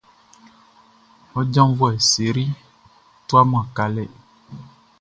Ɔ janvuɛ Sery tuaman kalɛ.